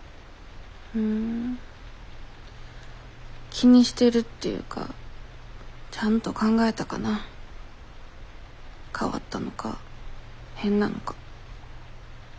気にしてるっていうかちゃんと考えたかな変わったのか変なのか。